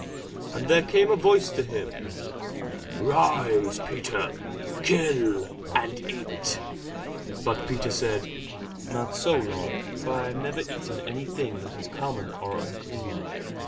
And there came a voice to him, Rise, Peter; kill, and eat. But Peter said, Not so, Lord; for I have never eaten any thing that is common or unclean.